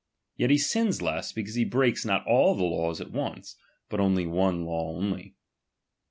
Yet he sins less, because he breaks not all the laws at once, but one law only.